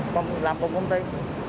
đồng nghiệp làm cùng công ty